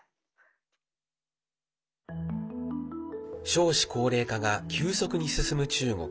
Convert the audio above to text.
少子高齢化が急速に進む中国。